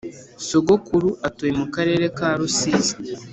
Sogokuru atuye mukarere ka rusizi